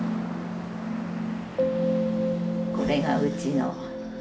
これがうちの。